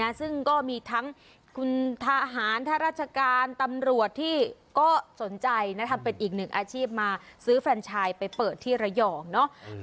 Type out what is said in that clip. ซึ่งก็มีทั้งคุณทหารค่าราชการตำรวจที่ก็สนใจนะทำเป็นอีกหนึ่งอาชีพมาซื้อแฟนชายไปเปิดที่ระยองเนาะ